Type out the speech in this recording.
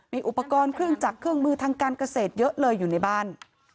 มีอุปกรณ์เครื่องจักรเครื่องมือทางการเกษตรเยอะเลยอยู่ในบ้าน